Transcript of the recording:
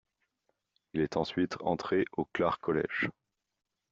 Il est ensuite entré au Clare College.